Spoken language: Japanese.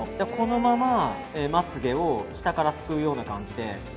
このまま、まつげを下からすくうような感じで。